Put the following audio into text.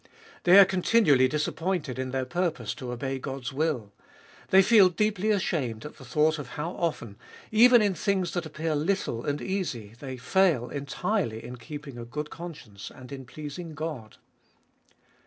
They are continually disappointed in their purpose to obey God's will. They feel deeply ashamed at the thought of how often, even in things that appear little and easy, they fail entirely in keeping a good conscience and in pleasing God.